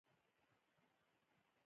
کوچي د غوا څخه په لاس راځي.